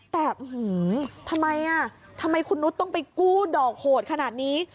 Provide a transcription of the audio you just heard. แต่ทำไมอ่ะทำไมคุณนุษย์ต้องไปกู้ดอกโหดขนาดนี้